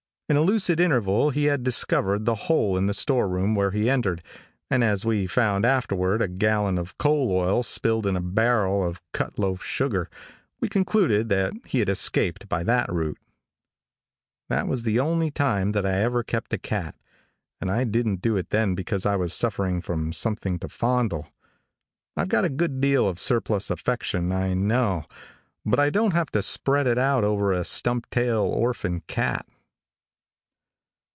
In a lucid interval he had discovered the hole in the store room where he entered, and, as we found afterward a gallon of coal oil spilled in a barrel of cut loaf sugar, we concluded that he had escaped by that route. That was the only time that I ever kept a cat, and I didn't do it then because I was suffering for something to fondle. I've got a good deal of surplus affection, I know, but I don't have to spread it out over a stump tail orphan cat.